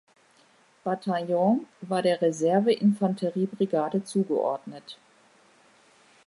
Bataillon war der Reserve-Infanteriebrigade zugeordnet.